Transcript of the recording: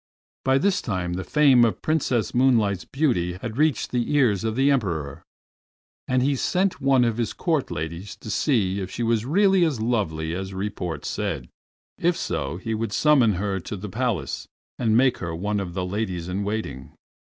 By this time the fame of Princess Moonlight's beauty had reached the ears of the Emperor, and he sent one of the Court ladies to see if she were really as lovely as report said; if so he would summon her to the Palace and make her one of the ladies in waiting.